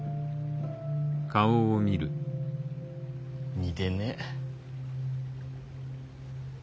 似でねえ。